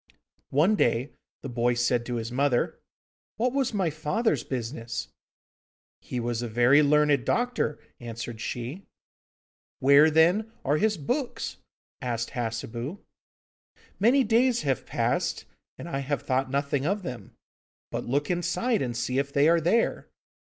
One day the boy said to his mother: 'What was my father's business?' 'He was a very learned doctor,' answered she. 'Where, then, are his books?' asked Hassebu. 'Many days have passed, and I have thought nothing of them. But look inside and see if they are there.